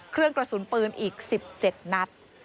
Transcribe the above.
เครื่องกระสุนปืนอีก๑๗นัด